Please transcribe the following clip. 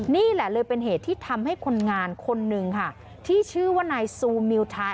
นี่แหละเลยเป็นเหตุที่ทำให้คนงานคนนึงค่ะที่ชื่อว่านายซูมิวไทย